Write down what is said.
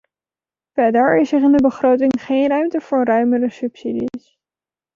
Verder is er in de begroting geen ruimte voor ruimere subsidies.